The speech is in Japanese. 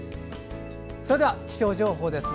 それでは気象情報です。